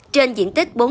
trên diện tích